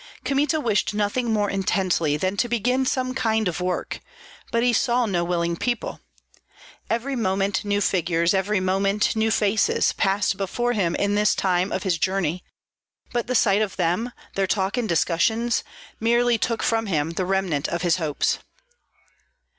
Kmita wished nothing more intently than to begin some kind of work, but he saw no willing people. Every moment new figures, every moment new faces, passed before him in the time of his journey; but the sight of them, their talk and discussions, merely took from him the remnant of his hopes.